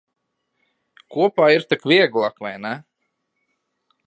Kopā ir tak vieglāk, vai ne?